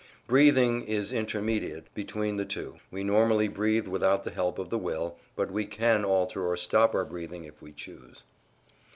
Breathing is intermediate between the two: we normally breathe without the help of the will, but we can alter or stop our breathing if we choose.